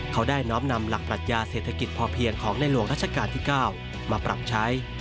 เขาได้น้อมนำหลักปรัชญาเศรษฐกิจพอเพียงของในหลวงรัชกาลที่๙มาปรับใช้